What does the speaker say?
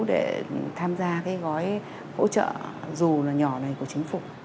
để tham gia cái gói hỗ trợ dù là nhỏ này của chính phủ